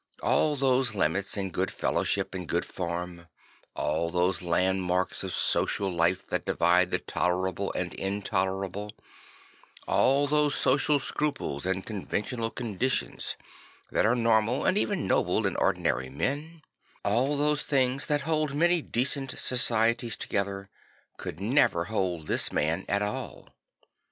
All those limits in good fellowship and good form, all those landmarks of social life that divide the tolerable and the intolerable, all those social scruples and conventional conditions that are normal and even noble in ordinary men, all those things that hold many decent societies together, could never hold this man at all.